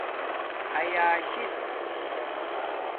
ایاشیس